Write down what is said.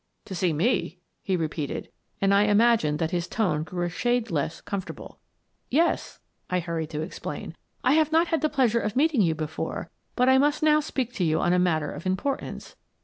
"To see me?" he repeated — and I imagined that his tone grew a shade less comfortable. " Yes," I hurried to explain. " I hatfe not had the pleasure of meeting you before, but I must now speak to you on a matter of importance.